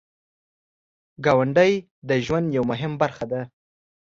ګاونډی د ژوند یو مهم برخه ده